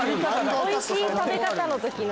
おいしい食べ方の時の。